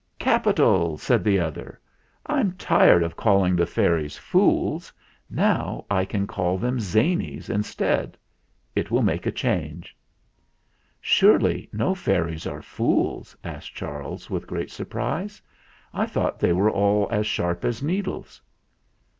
"Capital!" said the other. "I'm tired of calling the fairies fools; now I can call them 'zanies' instead. It will make a change." "Surely no fairies are fools?" asked Charles with great surprise. "I thought they were all as sharp as needles."